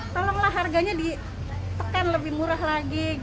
tolonglah harganya ditekan lebih murah lagi